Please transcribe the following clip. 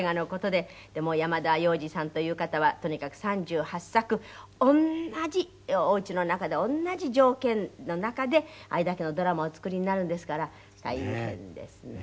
でも山田洋次さんという方はとにかく３８作同じおうちの中で同じ条件の中であれだけのドラマをお作りになるんですから大変ですね。